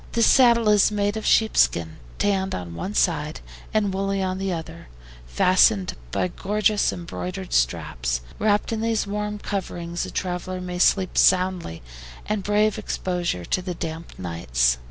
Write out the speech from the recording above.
This saddle is made of sheepskins, tanned on one side and woolly on the other, fastened by gorgeous embroidered straps. Wrapped in these warm coverings a traveler may sleep soundly, and brave exposure to the damp nights.